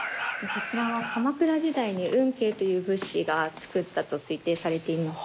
こちらは鎌倉時代に運慶っていう仏師が作ったと推定されています。